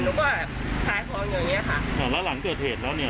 หนูก็ขายของอย่างเงี้ค่ะอ่าแล้วหลังเกิดเหตุแล้วเนี่ย